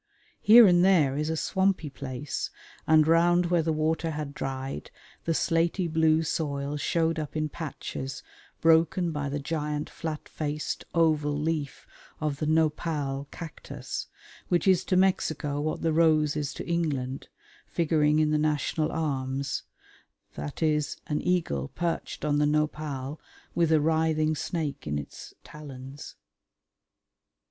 Here and there is a swampy place, and round where the water had dried the slaty blue soil showed up in patches broken by the giant flat faced, oval leaf of the Nopal cactus, which is to Mexico what the rose is to England, figuring in the national arms viz. an eagle perched on the Nopal with a writhing snake in its talons.